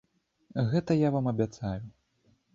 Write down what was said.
Гэта я вам абяцаю.